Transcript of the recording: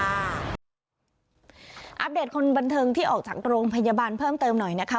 อัปเดตคนบันเทิงที่ออกจากโรงพยาบาลเพิ่มเติมหน่อยนะคะ